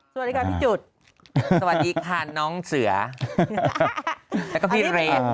สวัสดีค่ะพี่จุดสวัสดีค่ะน้องเสือแล้วก็พี่เรน